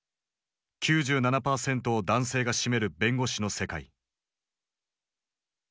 ９７％を男性が占める弁護士の世界。